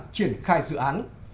triển khai dự án